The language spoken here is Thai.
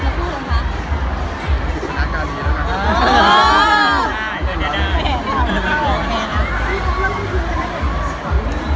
ก็ไม่รู้นะครับกฏดิงดีเพราะดิงตามกระสุนอีกแล้ว